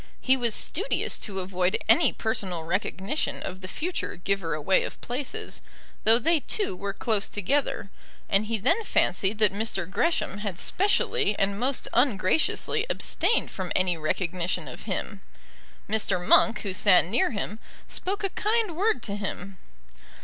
He was studious to avoid any personal recognition of the future giver away of places, though they two were close together; and he then fancied that Mr. Gresham had specially and most ungraciously abstained from any recognition of him. Mr. Monk, who sat near him, spoke a kind word to him.